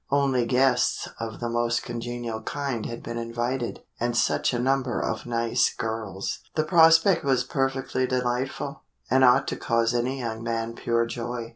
Only guests of the most congenial kind had been invited, and such a number of nice girls! The prospect was perfectly delightful, and ought to cause any young man pure joy.